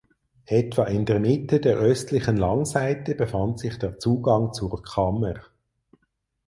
Etwa in der Mitte der östlichen Langseite befand sich der Zugang zur Kammer.